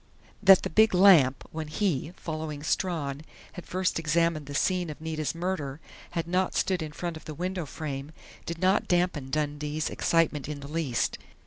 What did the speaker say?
That the big lamp, when he, following Strawn, had first examined the scene of Nita's murder, had not stood in front of the window frame, did not dampen Dundee's excitement in the least.